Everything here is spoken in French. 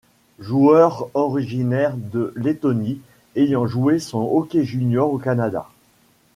Joueur originaire de Lettonie ayant joué son hockey junior au Canada.